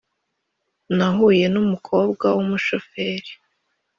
Nahuye nu mukobwa wumushoferi